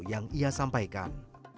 yang ia sampaikan